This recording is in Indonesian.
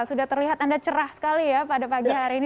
sudah terlihat anda cerah sekali ya pada pagi hari ini